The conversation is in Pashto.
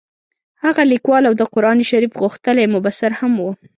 هغه لیکوال او د قران شریف غښتلی مبصر هم وو.